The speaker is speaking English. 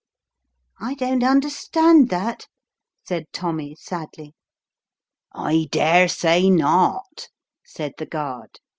" I don't understand that," said Tommy sadly. "I daresay not," said the guard.